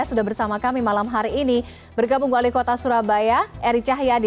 sudah bersama kami malam hari ini bergabung wali kota surabaya eri cahyadi